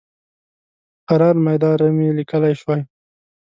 قرار میدارم یې لیکلی شوای.